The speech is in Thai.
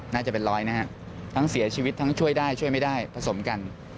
น่าจะเป็นร้อยนะฮะทั้งเสียชีวิตทั้งช่วยได้ช่วยไม่ได้ผสมกัน